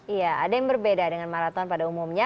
iya ada yang berbeda dengan maraton pada umumnya